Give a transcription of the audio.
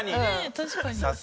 確かに。